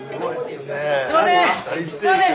すいません！